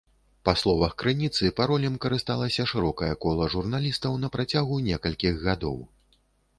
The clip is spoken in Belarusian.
Па словах крыніцы, паролем карысталася шырокае кола журналістаў на працягу некалькіх гадоў.